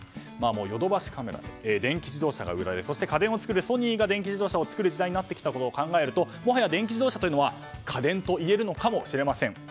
ヨドバシカメラで電気自動車が売られ家電を作るソニーが車を作る時代になってきたことを考えると、もはや電気自動車は家電と言えるのかもしれません。